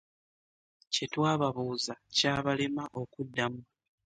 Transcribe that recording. Kye twababuuza kyabalema okuddamu.